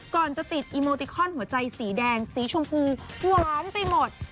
ก่อนจะติดอีโมติคอนหัวใจสีแดงสีชมพูหวานไปหมด